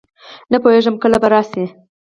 نه پوهېږم کله به راشي.